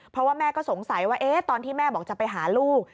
เพราะว่าแม่ก็สงสัยว่าตอนที่แม่บอกจะไปหาลูก